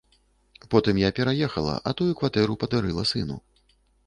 Потым я пераехала, а тую кватэру падарыла сыну.